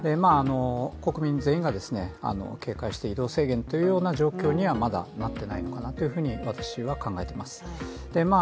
国民全員が警戒して移動制限というような状況には、まだなっていないのかなと私は考えています。